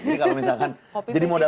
jadi kalau misalkan jadi modal